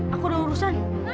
aku udah urusan